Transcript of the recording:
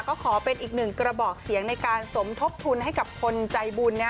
ก็ขอเป็นอีกหนึ่งกระบอกเสียงในการสมทบทุนให้กับคนใจบุญนะ